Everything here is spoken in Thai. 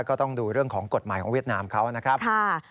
ก็ต้องดูเรื่องของกฎหมายของเวียดนามเขานะครับ